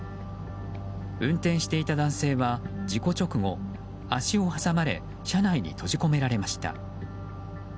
運転していた男性は事故直後足を挟まれ車内に閉じ込められました。